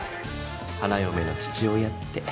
花よめの父親って。